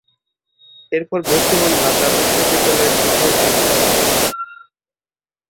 এরপর ভর্তি হন ঢাকা বিশ্ববিদ্যালয়ের ইতিহাস বিভাগে।